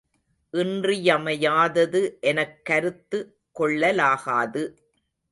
இன்றியமையாதது எனக் கருத்து கொள்ளலாகாது.